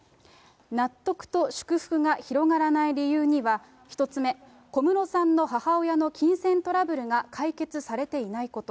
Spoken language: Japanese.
納得と祝福が広がらない理由には、１つ目、小室さんの母親の金銭トラブルが解決されていないこと。